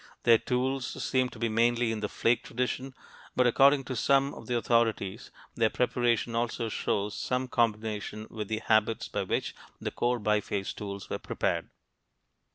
Their tools seem to be mainly in the flake tradition, but according to some of the authorities their preparation also shows some combination with the habits by which the core biface tools were prepared.